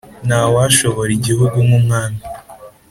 nta washobora igihugu nk'umwami